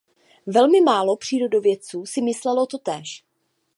Velmi málo přírodovědců si myslelo totéž.